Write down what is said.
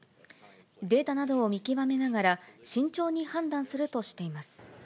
データなどを見極めながら、慎重に判断するとしています。